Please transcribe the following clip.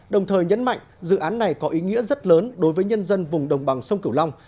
đồng thời nhấn mạnh dự án này có ý nghĩa rất lớn đối với nhân dân vùng đồng bằng sông cửu long